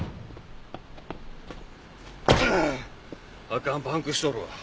あかんパンクしとるわ。